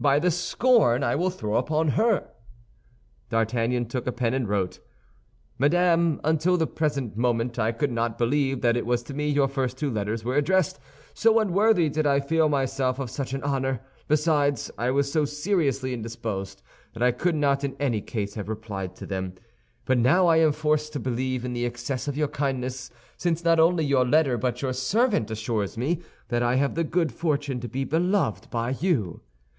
"By the scorn I will throw upon her." D'Artagnan took a pen and wrote: MADAME, Until the present moment I could not believe that it was to me your first two letters were addressed, so unworthy did I feel myself of such an honor; besides, I was so seriously indisposed that I could not in any case have replied to them. But now I am forced to believe in the excess of your kindness, since not only your letter but your servant assures me that I have the good fortune to be beloved by you.